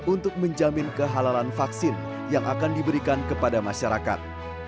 untuk menjamin kehalalan vaksin yang akan diberikan kepada masyarakat